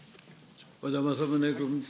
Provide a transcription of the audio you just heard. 和田政宗君。